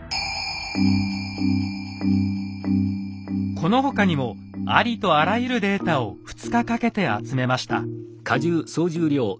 この他にもありとあらゆるデータを２日かけて集めました。